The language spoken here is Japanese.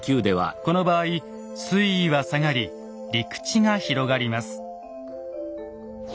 この場合水位は下がり陸地が広がります。